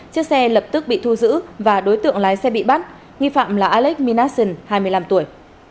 chiếc xe lập tức bị thu giữ và đối tượng lái xe bị bắt nghi phạm là alex minason hai mươi năm tuổi